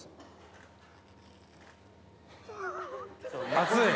熱い。